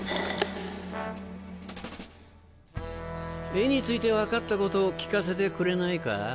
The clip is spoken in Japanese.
絵について分かったことを聞かせてくれないか？